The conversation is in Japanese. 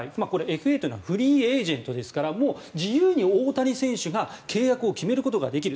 ＦＡというのはフリーエージェントですからもう自由に大谷選手が契約を決めることができる。